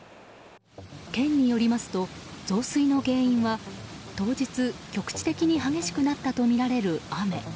県によりますと、増水の原因は当日、局地的に激しくなったとみられる雨。